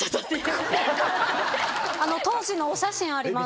当時のお写真あります。